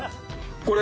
これ。